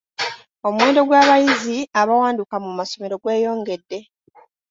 Omuwendo gw'abayizi abawanduka mu masomero gweyongedde.